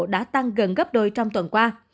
đã tăng gần gấp đôi trong tuần qua